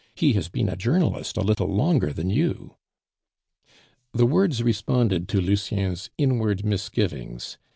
He has been a journalist a little longer than you!" The words responded to Lucien's inward misgivings.